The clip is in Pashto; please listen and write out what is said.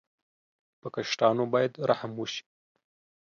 په کشرانو باید رحم وشي.